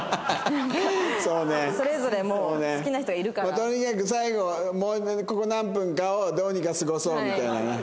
とにかく最後もうここ何分かをどうにか過ごそうみたいなね。